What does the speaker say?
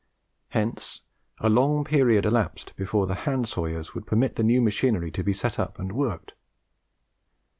Hence a long period elapsed before the hand sawyers would permit the new machinery to be set up and worked.